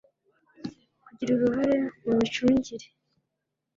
kugira uruhare mu micungire